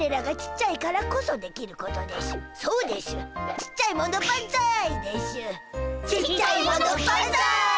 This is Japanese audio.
ちっちゃいものばんざい！